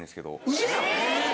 ウソやん！